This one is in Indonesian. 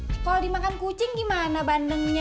kalau dimakan kucing gimana bandengnya